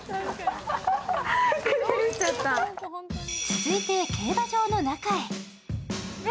続いて競馬場の中へ。